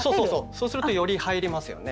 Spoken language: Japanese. そうするとより入りますよね。